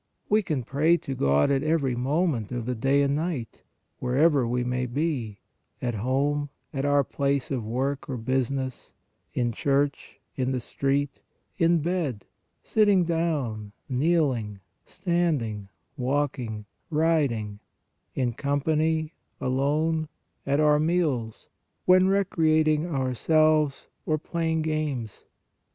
We can pray to God at every moment of the day and night, wherever we ^ay be, at home, at our place of work or business, in church, in the street, in bed, sitting down, kneel ing, standing, walking, riding, in company, alone, at our meals, when recreating ourselves, or playing games.